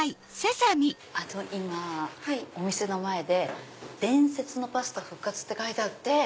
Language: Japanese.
今お店の前で伝説のパスタ復活って書いてあって。